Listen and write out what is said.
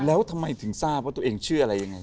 แล้วทำไมถึงทราบว่าตัวเองเชื่ออะไรยังไง